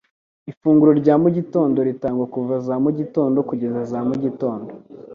Ifunguro rya mu gitondo ritangwa kuva za mugitondo kugeza za mugitondo